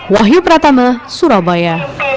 wahyu pratama surabaya